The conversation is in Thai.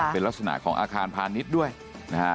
เป็นลักษณะของอาคารพาณิชย์ด้วยนะฮะ